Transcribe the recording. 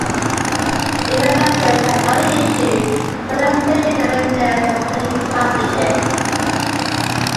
If aesthetics are not an issue, fertilization and maintenance are generally not needed.